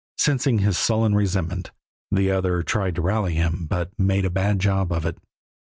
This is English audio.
Sensing his sullen resentment, the other tried to rally him, but made a bad job of it.